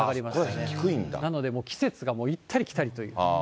なので季節が行ったり来たりといった。